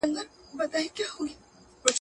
او که نه نو عاقبت به یې د خره وي.